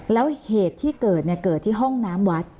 แล้วเหตุที่เกิดเกิดที่ห้องน้ำวัด